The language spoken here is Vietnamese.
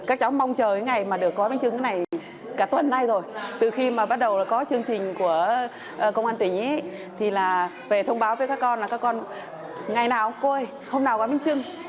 các cháu mong chờ ngày mà được có bánh trưng này cả tuần nay rồi từ khi mà bắt đầu có chương trình của công an tỉnh thì là về thông báo với các con là các con ngày nào côi hôm nào có bánh trưng